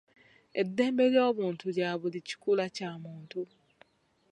Eddembe ly'obuntu lya buli kikula Kya muntu.